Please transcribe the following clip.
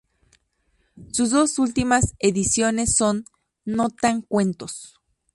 Sus dos últimas ediciones son "No tan cuentos.